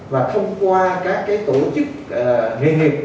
và thông qua các tổ chức nghề nghiệp